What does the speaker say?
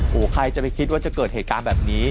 โอ้โหใครจะไปคิดว่าจะเกิดเหตุการณ์แบบนี้